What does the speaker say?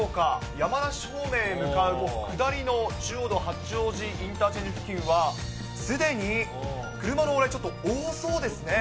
山梨方面へ向かう下りの中央道八王子インターチェンジ付近は、すでに車の往来、ちょっと多そうですね。